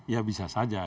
ya bisa saja